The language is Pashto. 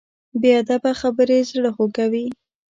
بې ادبه خبرې زړه خوږوي.